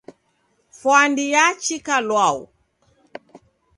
Fwandi yachika lwau